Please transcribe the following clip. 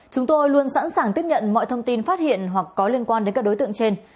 chúng tôi luôn sẵn sàng tiếp nhận mọi thông tin phát hiện hoặc có liên quan đến các đối tượng trên